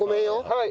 はい。